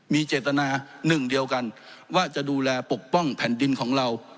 มีเจตนาหนึ่งเดียวกันว่าจะดูแลปกป้องแผ่นดินของเรา